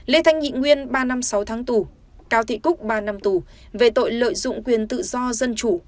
lê thanh nhị nguyên ba năm sáu tháng tù cao thị cúc ba năm tù về tội lợi dụng quyền tự do dân chủ